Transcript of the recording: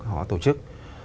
họ tổ chức